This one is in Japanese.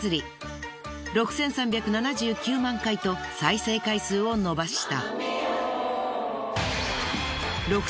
６，３７９万回と再生回数を伸ばした。